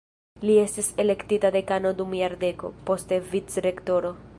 Li estis elektita dekano dum jardeko, poste vicrektoro.